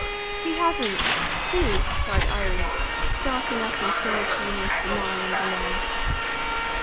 "He hasn't! Who?" cried Irene, starting up in simultaneous denial and demand.